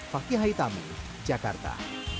fakih haitami jakarta